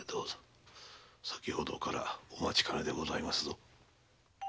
先ほどからお待ちかねでございますぞ。